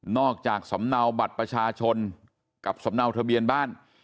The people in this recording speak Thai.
อกจากสำเนาบัตรประชาชนกับสำเนาทะเบียนบ้าน